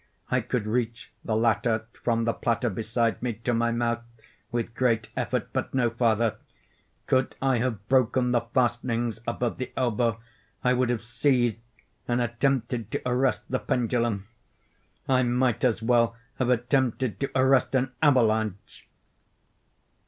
I could reach the latter, from the platter beside me, to my mouth, with great effort, but no farther. Could I have broken the fastenings above the elbow, I would have seized and attempted to arrest the pendulum. I might as well have attempted to arrest an avalanche!